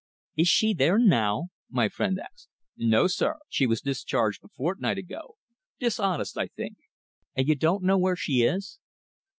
"Is she there now?" my friend asked. "No, sir. She was discharged a fortnight ago. Dishonest, I think." "And you don't know where she is?"